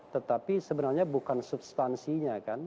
tetapi sebenarnya bukan substansinya kan